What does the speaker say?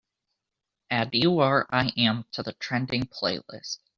Add you are i am to the trending playlist